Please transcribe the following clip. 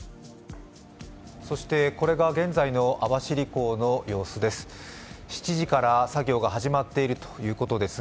そしてこれが現在の網走港の様子です。